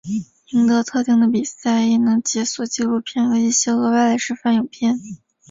赢得特定的比赛亦能解锁纪录片和一些额外的示范影片。